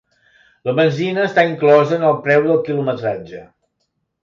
La benzina està inclosa en el preu del quilometratge.